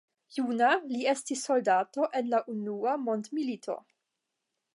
Juna, li estis soldato en la Unua Mondmilito.